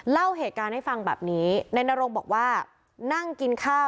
เล่าเหตุการณ์ให้ฟังแบบนี้นายนรงบอกว่านั่งกินข้าว